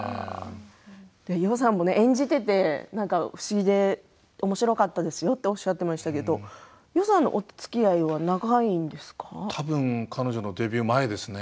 余さんも演じていて不思議でおもしろかったですよとおっしゃってましたけど余さんとのおつきあいは多分、彼女のデビュー前ですね。